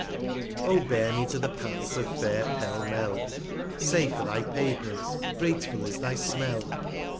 O bear me to the Paths of fair Pell mell^ 135 Safe are thy Pavements, grateful is thy Smell